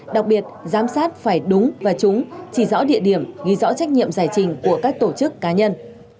đặc biệt giám sát phải đúng và trúng chỉ rõ địa điểm ghi rõ trách nhiệm giải trình của các tổ chức cá nhân